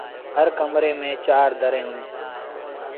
هر ڪمري ميݩ چآر دريٚݩ اوهيݩ ۔